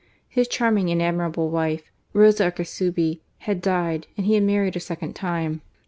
His charming and admirable wife, Rosa Arcasubi, had died, and he had married a second time.